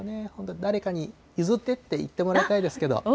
誰かに、ゆずってって言ってもらいたいですけど。